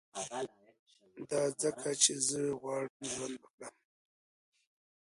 دا ځکه چي زه غواړم ژوند وکړم